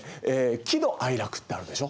喜怒哀楽ってあるでしょ？